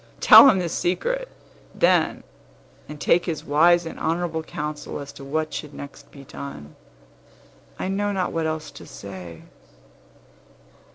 Tell him the secret, then, and take his wise and honorable counsel as to what should next be done. I know not what else to say."